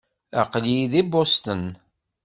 Aql-iyi deg Boston.